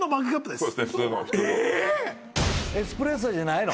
え⁉エスプレッソじゃないの？